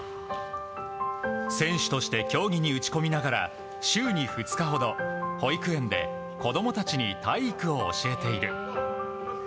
選手として競技に打ち込みながら週に２日ほど保育園で子供たちに体育を教えている。